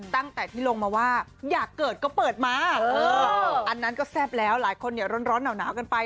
ตั้งแต่ที่ลงมาว่าอยากเกิดก็เปิดมาอันนั้นก็แซ่บแล้วหลายคนร้อนหนาวกันไป